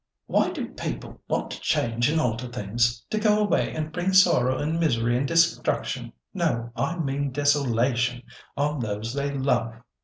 "Why do people want to change and alter things—to go away and bring sorrow and misery and destruction—no, I mean desolation—on those they love?"